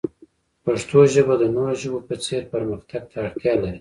پښتو ژبه د نورو ژبو په څیر پرمختګ ته اړتیا لري.